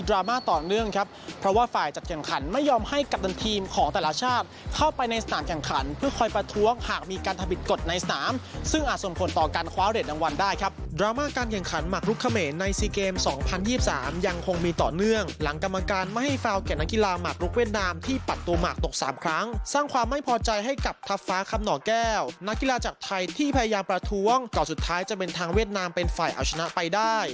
และพยายามประท้วงก่อนสุดท้ายจะเป็นทางเวียดนามเป็นฝ่ายเอาชนะไปได้